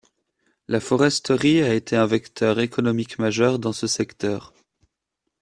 La foresterie a été un vecteur économique majeur dans ce secteur.